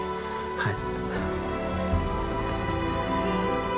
はい。